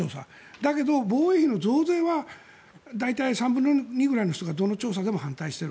だけど防衛費の増税は大体３分の２ぐらいの人がどの調査でも反対している。